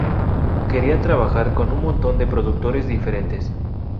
Quería trabajar con un montón de productores diferentes.